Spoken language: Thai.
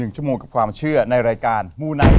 ชั่วโมงกับความเชื่อในรายการมูไนท์